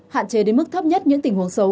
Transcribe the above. hạn chế đến mức thấp nhất những tình huống xấu